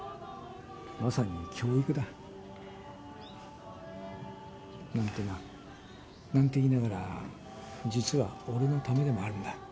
まさに教育だ。なんてな。なんて言いながら実は俺のためでもあるんだ。